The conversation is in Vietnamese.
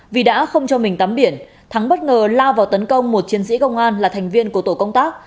vì đã không cho mình tắm biển thắng bất ngờ lao vào tấn công một chiến sĩ công an là thành viên của tổ công tác